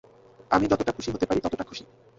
আমি যতটা খুশি হতে পারি ততটা খুশি।